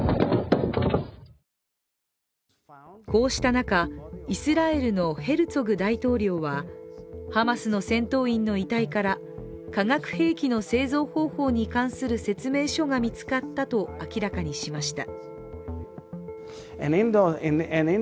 こうした中、イスラエルのヘルツォグ大統領はハマスの戦闘員の遺体から化学兵器の製造方法に関する説明書が見つかったと明らかにしました。